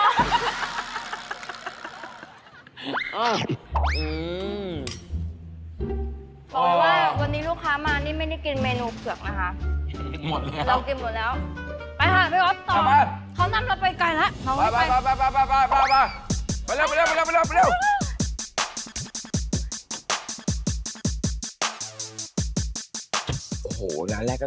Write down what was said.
พอไม่ว่างวันนี้ลูกค้ามาไม่ได้กินเมนูเผือกนะคะ